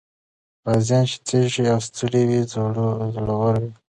غازيان چې تږي او ستړي وو، زړور وو.